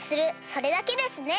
それだけですね！